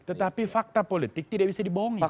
tetapi fakta politik tidak bisa dibohongi